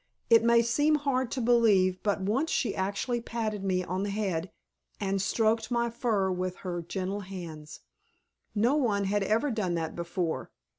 It may seem hard to believe, but once she actually patted me on the head and stroked my fur with her gentle hands. No one had ever done that before.